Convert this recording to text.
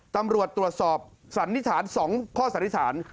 ตำรวจตรวจสอบสันนิษฐาน๒ข้อสันนิษฐาน